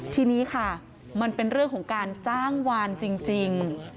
ทีนี้ค่ะมันเป็นเรื่องของการจ้างวานจริง